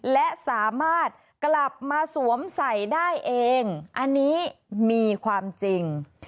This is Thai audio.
และสามารถกลับมาสวมใส่ได้เองอันนี้มีความจริง